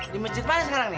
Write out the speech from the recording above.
di masjid mana sekarang nih